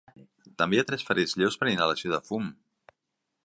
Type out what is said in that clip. També hi ha tres ferits lleus per inhalació de fum.